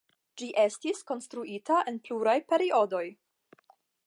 Ĝi estis konstruita en pluraj periodoj.